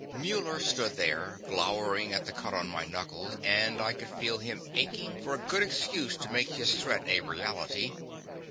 Muller stood there, glowering at the cut on my knuckles, and I could feel him aching for a good excuse to make his threat a reality.